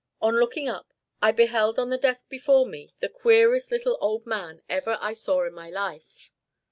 On looking up, I beheld on the desk before me the queerest little old man ever I saw in my life.